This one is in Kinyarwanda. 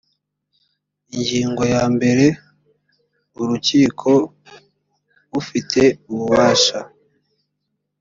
ingingo ya mbere urukiko ufite ububasha